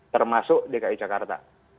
termasuk dki jakarta